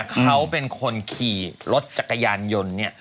เขาเป็นคนขี่รถจักรยานยนต์เนี่ย